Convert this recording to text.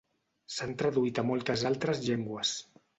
S'han traduït a moltes altres llengües.